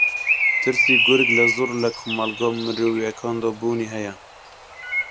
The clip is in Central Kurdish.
ترسی گورگ لە زۆر لە کۆمەڵگا مرۆیییەکاندا بوونی ھەیە